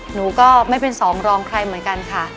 หนูก็ไม่เป็นสองรองใครเหมือนกันค่ะ